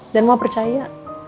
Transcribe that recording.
dan mau percaya